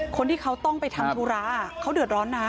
คนที่เขาต้องไปทำธุระเขาเดือดร้อนนะ